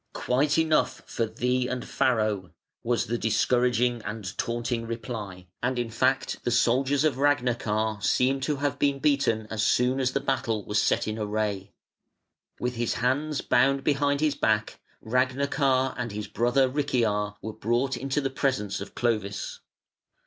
"Quite enough for thee and Farro", was the discouraging and taunting reply: and in fact the soldiers of Ragnachar seem to have been beaten as soon as the battle was set in array. With his hands bound behind his back, Ragnachar and his brother Richiar were brought into the presence of Clovis.